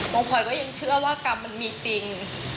พลอยก็ยังเชื่อว่ากรรมมันมีจริง